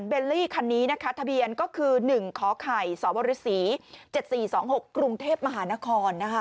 เบลลี่คันนี้นะคะทะเบียนก็คือ๑ขไข่สว๗๔๒๖กรุงเทพมหานคร